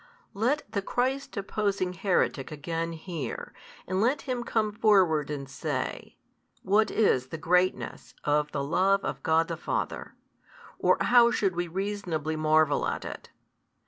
Let the Christ opposing heretic again hear, and let him come forward and say, what is the greatness of the Love of God the Father, or how we should reasonably marvel at it.